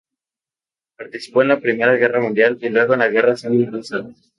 Participó en la Primera Guerra Mundial y luego en la Guerra Civil Rusa.